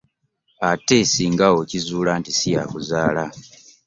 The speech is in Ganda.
Ate ssinga okizuula nti si y'akuzaala!